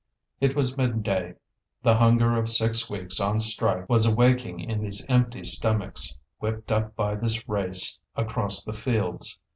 It was midday; the hunger of six weeks on strike was awaking in these empty stomachs, whipped up by this race across the fields.